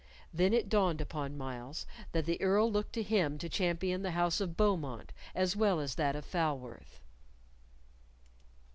Then it dawned upon Myles that the Earl looked to him to champion the house of Beaumont as well as that of Falworth.